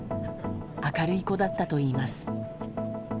明るい子だったといいます。